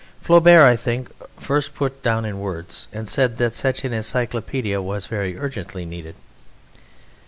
Flaubert, I think, first put it down in words, and said that such an encyclopaedia was very urgently needed.